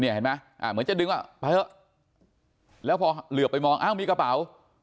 เห็นไหมเหมือนจะดึงว่าไปเถอะแล้วพอเหลือไปมองอ้าวมีกระเป๋า